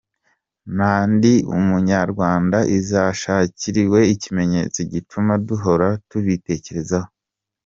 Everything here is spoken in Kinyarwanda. Na Ndi Umunyarwanda izashakirwe ikimenyetso gituma duhora tubitekerezaho.